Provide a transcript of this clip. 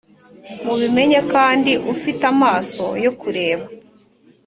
mubimenye kandi ufite amaso yo kureba